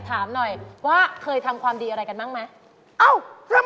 เติมใจมากเลย